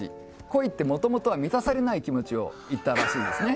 恋ってもともとは満たされない気持ちを言っていたらしいんですね。